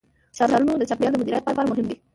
دا ښارونه د چاپیریال د مدیریت لپاره مهم دي.